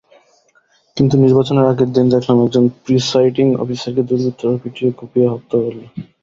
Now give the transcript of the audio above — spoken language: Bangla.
কিন্তু নির্বাচনের আগের দিন দেখলাম একজন প্রিসাইডিং অফিসারকে দুর্বৃত্তরা পিটিয়ে-কুপিয়ে হত্যা করল।